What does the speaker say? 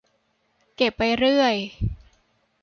เก็บไปเรื่อย